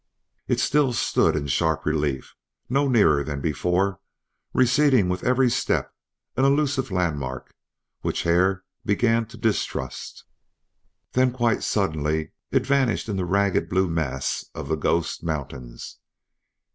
It still stood in sharp relief, no nearer than before, receding with every step, an illusive landmark, which Hare began to distrust. Then quite suddenly it vanished in the ragged blue mass of the Ghost Mountains.